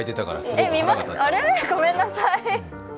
ごめんなさい。